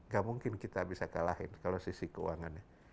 gak mungkin kita bisa kalahin kalau sisi keuangannya